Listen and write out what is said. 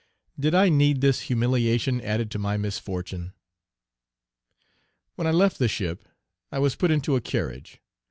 Did I need this humiliation added to my misfortune? When I left the ship, I was put into a carriage.